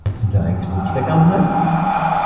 Hast du da einen Knutschfleck am Hals?